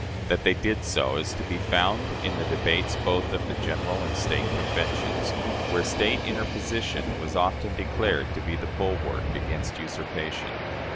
That they did so is to be found in the debates both of the General and the State Conventions, where State interposition was often declared to be the bulwark against usurpation.